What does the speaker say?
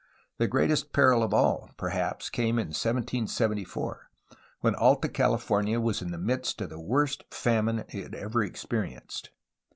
The greatest peril of all, perhaps, came in 1774, when Alta California was in the midst of the worst famine it ever experienced.